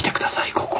ここ。